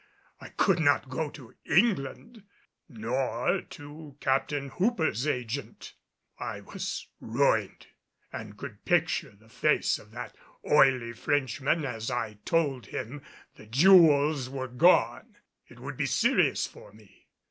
I could not go to England. Nor to Captain Hooper's agent, I was ruined, and could picture the face of that oily Frenchman as I told him the jewels were gone. It would be serious for me.